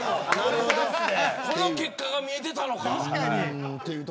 この結果が見えていたのか。